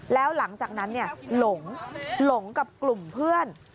แล้วหลังจากนั้นหลงกับกลุ่มเพื่อน